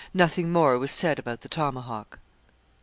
Nothing more was said about the tomahawk.